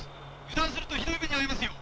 油断するとひどい目に遭いますよ」。